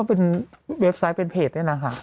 เป็นเว็บไซต์เป็นเพจนี่นะคะ